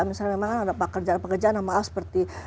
misalnya memang kan ada pekerjaan pekerjaan yang maaf seperti